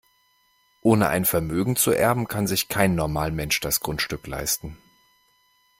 Ohne ein Vermögen zu erben, kann sich kein Normalmensch das Grundstück leisten.